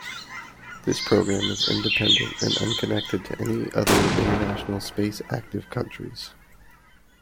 This program is independent and unconnected to any other international space-active countries.